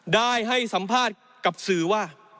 ได้ให้สัมภาษณ์กับสื่อว่า